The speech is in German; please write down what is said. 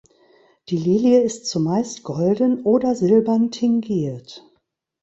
Die Lilie ist zumeist golden oder silbern tingiert.